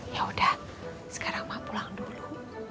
yaudah sekarang mak pulang dulu